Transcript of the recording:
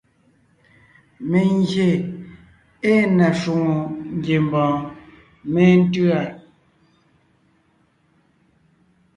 Mengyè ée na shwòŋo ngiembɔɔn méntʉ̂a.